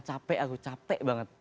capek aku capek banget